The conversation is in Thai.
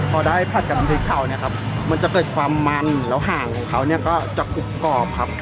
พอได้ผัดกับพริกเผามันจะเกิดความมันแล้วหางของเขาก็จะกรุบกรอบครับ